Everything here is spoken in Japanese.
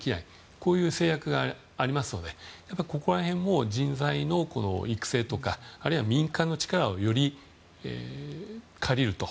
こういう制約がありますのでこの辺も人材の育成とかあるいは民間の力をより借りる。